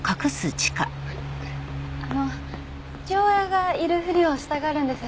あの父親がいるふりをしたがるんです。